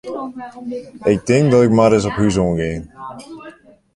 Ik tink dat ik mar ris op hús oan gean.